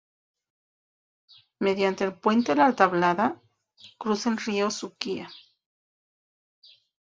Mediante el puente La Tablada, cruza el río Suquía.